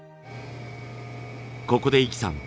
ここで壹岐さん